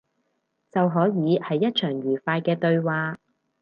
就可以係一場愉快嘅對話